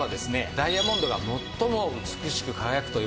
ダイヤモンドが最も美しく輝くといわれております